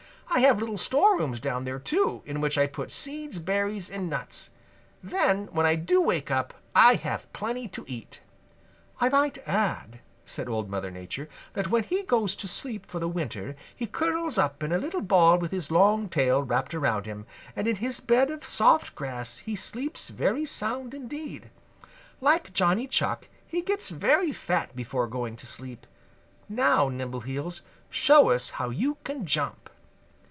I have little storerooms down there too, in which I put seeds, berries and nuts. Then when I do wake up I have plenty to eat." "I might add," said Old Mother Nature, "that when he goes to sleep for the winter he curls up in a little ball with his long tail wrapped around him, and in his bed of soft grass he sleeps very sound indeed. Like Johnny Chuck he gets very fat before going to sleep. Now, Nimbleheels, show us how you can jump."